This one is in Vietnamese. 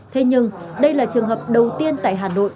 thế nhưng đây là trường hợp đầu tiên tại hà nội